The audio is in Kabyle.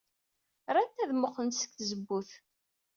Rant ad mmuqqlent seg tzewwut.